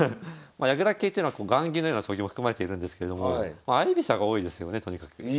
まあ矢倉系っていうのは雁木のような将棋も含まれているんですけれども相居飛車が多いですよねとにかく。